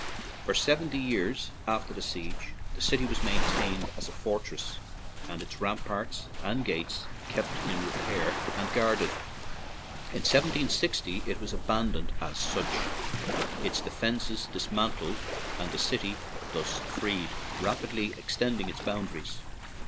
For seventy years after the siege, the city was maintained as a fortress, and its ram parts and gates kept in repair and guarded. In 1760 it was abandoned as such, its de fences dismantled, and the city, thus freed, rapidly extended its boundaries.